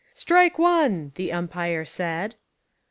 "Strike one," the umpire said.